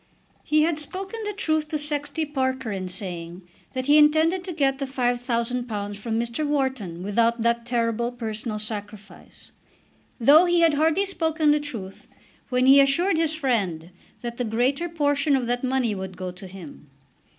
He had spoken the truth to Sexty Parker in saying that he intended to get the £5000 from Mr. Wharton without that terrible personal sacrifice, though he had hardly spoken the truth when he assured his friend that the greater portion of that money would go to him.